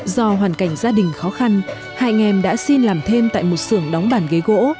do hoàn cảnh gia đình khó khăn hai anh em đã xin làm thêm tại một sưởng đóng bàn ghế gỗ